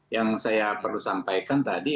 yang saya perlu sampaikan tadi